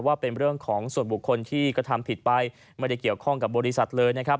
ว่าเป็นเรื่องของส่วนบุคคลที่กระทำผิดไปไม่ได้เกี่ยวข้องกับบริษัทเลยนะครับ